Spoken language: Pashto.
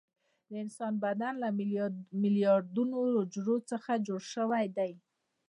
د انسان بدن له میلیارډونو حجرو څخه جوړ شوی دی